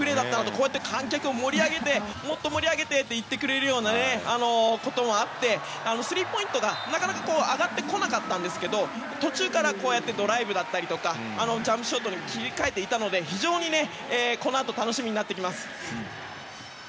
こうやって観客をもっと盛り上げてと言ってくれるようなところもあってスリーポイントが、なかなか上がってこなかったんですけど途中からドライブだったりジャンプショットにも切り替えていたので非常にこのあと楽しみになってきます。